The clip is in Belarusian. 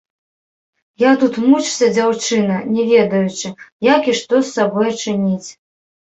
А тут мучся, дзяўчына, не ведаючы, як і што з сабой чыніць!